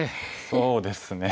そうですね。